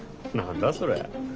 何だそれ？